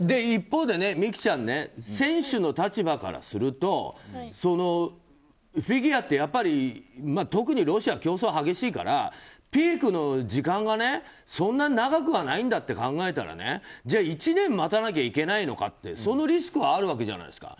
一方で美姫ちゃん選手の立場からするとフィギュアって特にロシアは競争が激しいからピークの時間はそんなに長くはないんだって考えたら、じゃあ１年待たなきゃいけないのかってそのリスクはあるわけじゃない。